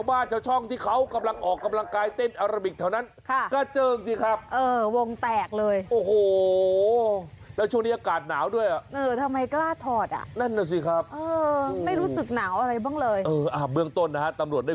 อันนี้ฉันก็พอเข้าใจ